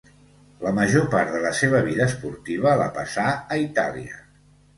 La major part de la seva vida esportiva la passà a Itàlia.